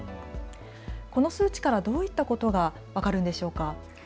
この数値からどういったことが分かるんでしょうか。